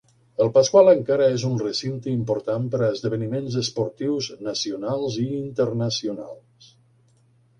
El Pascual encara és un recinte important per a esdeveniments esportius nacionals i internacionals.